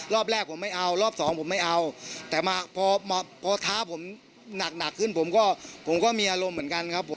รอบแรกผมไม่เอารอบสองผมไม่เอาแต่มาพอพอท้าผมหนักหนักขึ้นผมก็ผมก็มีอารมณ์เหมือนกันครับผม